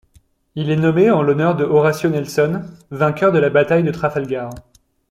Il est nommé en l'honneur de Horatio Nelson, vainqueur de la bataille de Trafalgar.